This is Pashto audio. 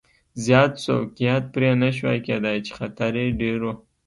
زیات سوقیات پرې نه شوای کېدای چې خطر یې ډېر و.